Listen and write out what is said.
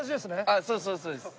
あっそうそうそうです。